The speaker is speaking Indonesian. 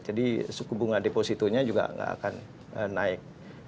jadi suku bunga depositonya juga tidak akan naik